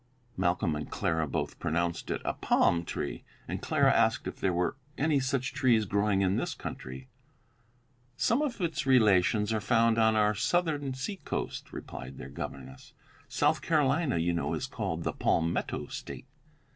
] Malcolm and Clara both pronounced it a palm tree, and Clara asked if there were any such trees growing in this country. "Some of its relations are found on our Southern seacoast," replied their governess; "South Carolina, you know, is called 'the Palmetto State.'